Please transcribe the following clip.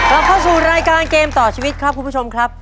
เราเข้าสู่รายการเกมต่อชีวิตครับคุณผู้ชมครับ